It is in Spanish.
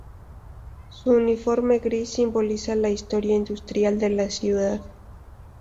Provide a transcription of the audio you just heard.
Su uniforme gris simbolizaba la historia industrial de la ciudad.